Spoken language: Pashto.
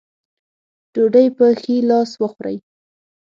ډوډۍ پۀ ښي لاس وخورئ ـ